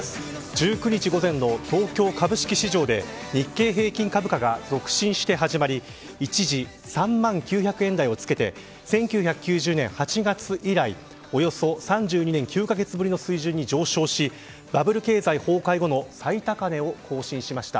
１９日午前の東京株式市場で日経平均株価が続伸して始まり一時、３万９００円台をつけて１９９０年８月以来およそ３２年９カ月ぶりの水準に上昇しバブル経済崩壊後の最高値を更新しました。